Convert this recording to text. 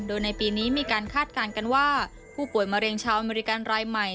โดยในปีนี้มีการคาดการณ์กันว่าผู้ป่วยมะเร็งชาวอเมริกันรายใหม่